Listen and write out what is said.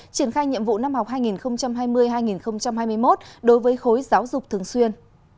triển khai nhiệm vụ năm học hai nghìn hai mươi hai nghìn hai mươi một đối với khối giáo dục thường xuyên